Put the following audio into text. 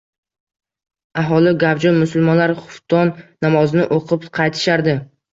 Aholi gavjum, musulmonlar xufton namozini o‘qib qaytishardi.